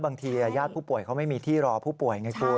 ญาติผู้ป่วยเขาไม่มีที่รอผู้ป่วยไงคุณ